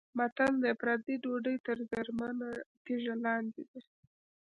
متل دی: پردۍ ډوډۍ تر زرمنه تیږه لاندې ده.